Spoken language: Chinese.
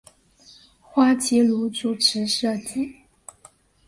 花琦如主持设计。